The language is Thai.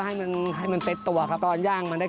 ถ้าไข่เหลืองเยอะมันจะอร่อย